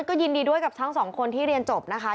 ก็ยินดีด้วยกับทั้งสองคนที่เรียนจบนะคะ